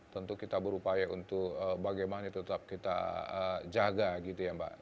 tentu kita berupaya untuk bagaimana tetap kita jaga gitu ya mbak